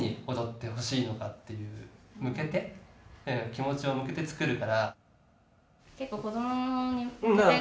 気持ちを向けて作るから。